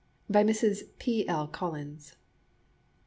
BY MRS. P. L. COLLINS.